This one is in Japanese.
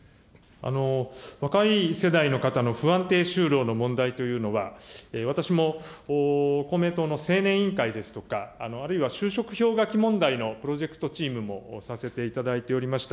若い世代の方の不安定就労の問題というのは、私も公明党のせいねん委員会ですとか、あるいは就職氷河期問題のプロジェクトチームもさせていただいておりました。